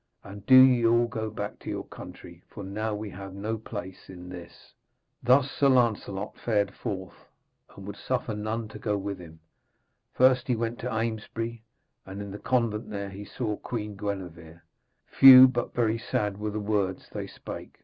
And do ye all go back into your country, for now we have no place in this.' Thus Sir Lancelot fared forth, and would suffer none to go with him. First he went to Amesbury, and in the convent there he saw Queen Gwenevere. Few but very sad were the words they spake.